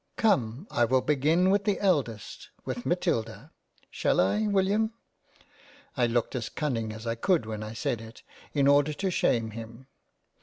Come I will begin with the eldest— with Matilda. Shall I, William?" (I looked as cunning as I could when I said it, in order to shame him).